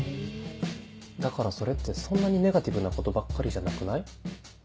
だからそれってそんなにネガティブなことばっかりじゃなくない？